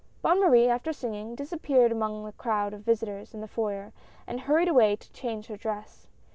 Bonne Marie, after singing, disappeared among the crowd of visitors in the foyer and hurried away to change her dress.